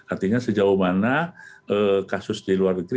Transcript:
artinya sejauh mana kasus di luar negeri